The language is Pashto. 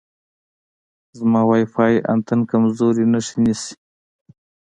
زما وای فای انتن کمزورې نښې نیسي.